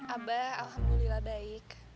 abah alhamdulillah baik